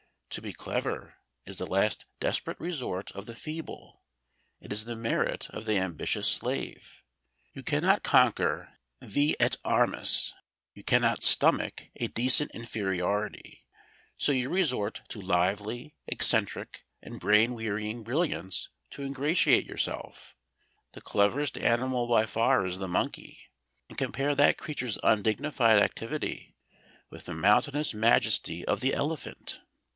To be clever is the last desperate resort of the feeble, it is the merit of the ambitious slave. You cannot conquer vi et armis, you cannot stomach a decent inferiority, so you resort to lively, eccentric, and brain wearying brilliance to ingratiate yourself. The cleverest animal by far is the monkey, and compare that creature's undignified activity with the mountainous majesty of the elephant!